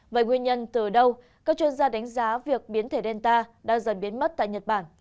vậy nguyên nhân từ đâu các chuyên gia đánh giá việc biến thể delta đang dần biến mất tại nhật bản